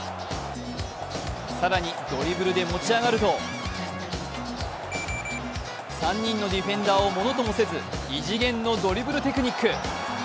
更にドリブルで持ち上がると３人のディフェンダーをものともせず異次元のドリブルテクニック。